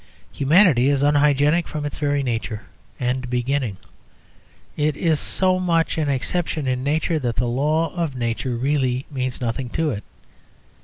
Humanity is unhygienic from its very nature and beginning. It is so much an exception in Nature that the laws of Nature really mean nothing to it.